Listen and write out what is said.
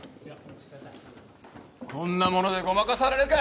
こんなものでごまかされるか！